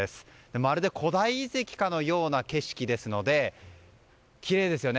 まるで古代遺跡かのような景色ですのできれいですよね。